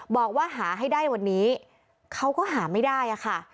บอกว่าหาให้ได้วันนี้เขาก็หาไม่ได้อะค่ะ